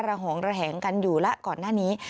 หองระแหงกันอยู่แล้วก่อนหน้านี้